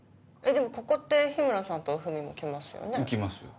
でもここって日村さんとおふみも来ますよね？来ますよ。